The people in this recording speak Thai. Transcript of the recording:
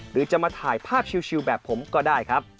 หรือจะมาถ่ายภาพชิลแบบผมก็ได้ครับ